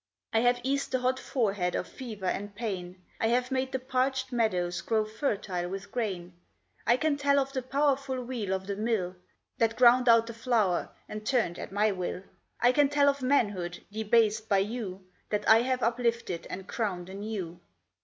I have eased the hot forehead of fever and pain; I have made the parched meadows grow fertile with grain; I can tell of the powerful wheel o' the mill, That ground out the flour and turned at my will; I can tell of manhood, debased by you, That I have uplifted and crowned anew.